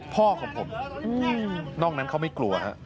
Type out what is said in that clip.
พ่อของผมนอกนั้นเขาไม่กลัวฮะ